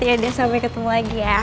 yaudah sampai ketemu lagi ya